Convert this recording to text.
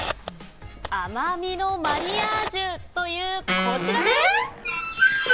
甘みのマリアージュというこちらです。